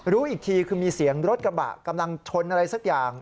รู้อีกทีคือมีเสียงรถกระบะกำลังชนอะไรสักอย่าง